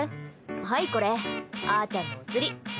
はい、これあーちゃんのおつり。